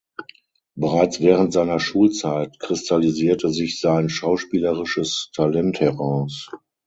Bereits während seiner Schulzeit kristallisierte sich sein schauspielerisches Talent heraus.